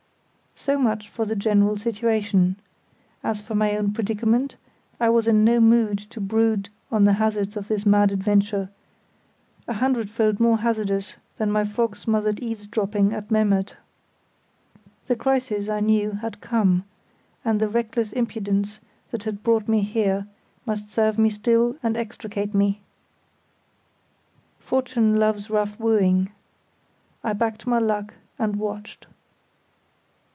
So much for the general situation. As for my own predicament, I was in no mood to brood on the hazards of this mad adventure, a hundredfold more hazardous than my fog smothered eavesdropping at Memmert. The crisis, I knew, had come, and the reckless impudence that had brought me here must serve me still and extricate me. Fortune loves rough wooing. I backed my luck and watched.